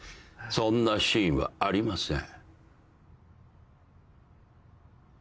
そんなシーンはありません。